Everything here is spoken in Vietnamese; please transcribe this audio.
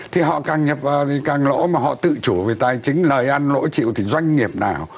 thì họ càng nhập thì càng lỗ mà họ tự chủ về tài chính lời ăn lỗ chịu thì doanh nghiệp nào